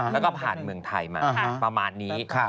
แล้วก็ผ่านเมืองไทยมาประมาณนี้